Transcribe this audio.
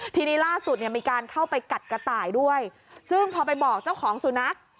ทีนี้ล่าสุดเนี่ยมีการเข้าไปกัดกระต่ายด้วยซึ่งพอไปบอกเจ้าของสุนัข